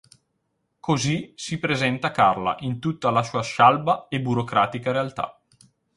Così si presenta Carla in tutta la sua scialba e burocratica realtà.